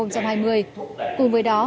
cùng với đó